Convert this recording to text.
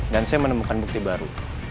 dan saya menemukan bukti baru